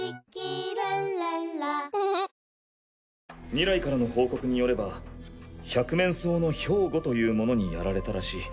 ミライからの報告によれば百面相のヒョウゴという者にやられたらしい。